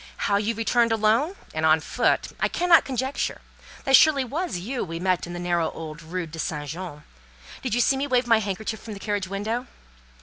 How you returned alone, and on foot, I cannot conjecture. That surely was you we met in the narrow old Rue St. Jean? Did you see me wave my handkerchief from the carriage window?